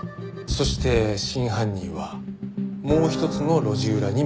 そして真犯人はもう一つの路地裏に向かった。